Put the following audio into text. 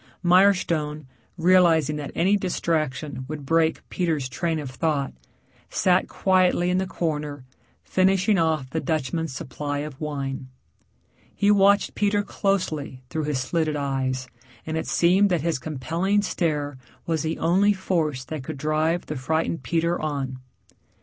Mirestone, realizing that any distraction would break Peter's train of thought, sat quietly in the corner finishing off the Dutchman's supply of wine. He watched Peter closely through his slitted eyes, and it seemed that his compelling stare was the only force that could drive the frightened Peter on.